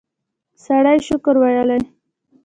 سړی شکر ویلی.